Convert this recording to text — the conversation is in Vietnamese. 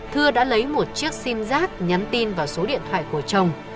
thưa đã lấy một chiếc sim giác nhắn tin vào số điện thoại của chồng